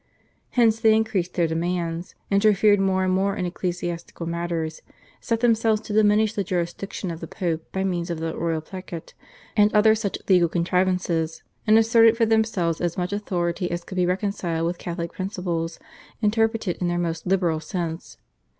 Hence they increased their demands, interfered more and more in ecclesiastical matters, set themselves to diminish the jurisdiction of the Pope by means of the /Royal Placet/ and other such legal contrivances, and asserted for themselves as much authority as could be reconciled with Catholic principles interpreted in their most liberal sense.